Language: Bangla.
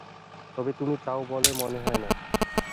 তবে তুমি চাও বলে মনে হয় না।